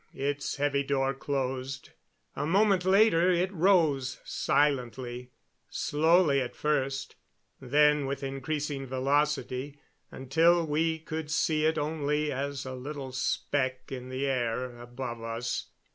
Its heavy door closed. A moment later it rose silently slowly at first, then with increasing velocity until we could see it only as a little speck in the air above us.